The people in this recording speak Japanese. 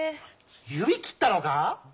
指切ったのか？